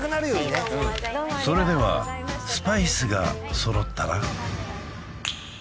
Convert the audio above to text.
それではスパイスが揃ったら？